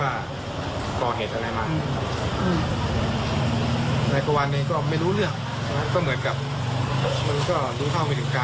แล้วทางมาเค้าไม่ได้มาพบกำลัวเนี่ย